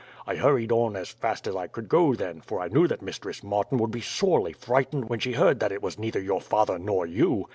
I hurried on as fast as I could go then, for I knew that Mistress Martin would be sorely frightened when she heard that it was neither your father nor you.